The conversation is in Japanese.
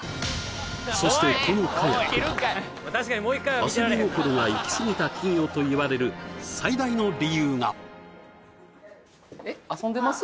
そしてこのカヤックの遊び心がイキスギた企業といわれる最大の理由がえっ遊んでます？